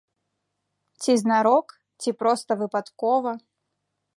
Ці знарок, ці проста выпадкова.